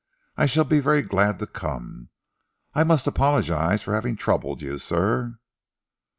"I shall be very glad to come. I must apologise for having troubled you, sir."